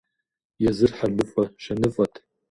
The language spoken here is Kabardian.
Езыр хьэлыфӀэ-щэныфӀэт.